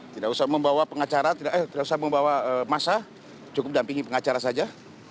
tidak usah membawa pengacara tidak usah membawa masa cukup dampingi pengacara saja